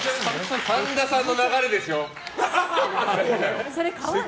神田さんの流れでしょう。